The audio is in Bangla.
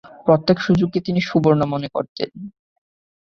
প্রত্যেক সুযোগকে তিনি সুবর্ণ মনে করতেন।